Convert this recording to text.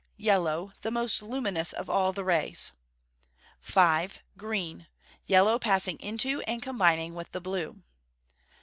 Yellow the most luminous of all the rays. 5. Green yellow passing into and combining with the blue.